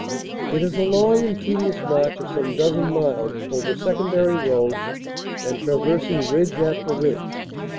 It is a long and tedious march of some dozen miles over secondary roads and traversing ridge after ridge.